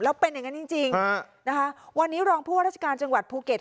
แล้วเป็นอย่างนั้นจริงจริงนะคะวันนี้รองผู้ว่าราชการจังหวัดภูเก็ต